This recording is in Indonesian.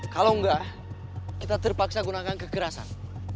kalau enggak kita terpaksa gunakan kekerasan